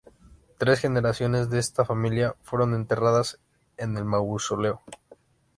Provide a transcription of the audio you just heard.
Tres generaciones de esta familia fueron enterradas en el mausoleo.